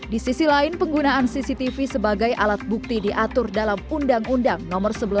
di sisi lain penggunaan cctv sebagai alat bukti diatur dalam undang undang nomor sebelas